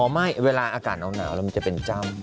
ไม่เวลาอากาศหนาวแล้วมันจะเป็นจ้ำ